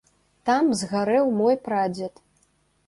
Там згарэў мой прадзед.